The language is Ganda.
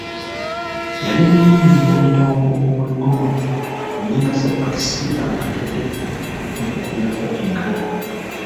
Yali muyimbi namitongo ow'eggono mu nnyimba za Baakisimba ng'ataddeko n'okukubirako engalabi.